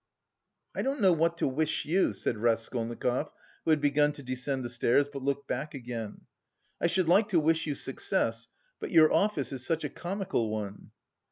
"I don't know what to wish you," said Raskolnikov, who had begun to descend the stairs, but looked back again. "I should like to wish you success, but your office is such a comical one."